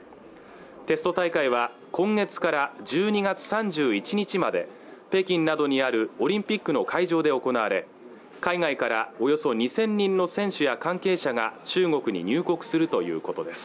テスト大会は今月から１２月３１日まで北京などにあるオリンピックの会場で行われ海外からおよそ２０００人の選手や関係者が中国に入国するということです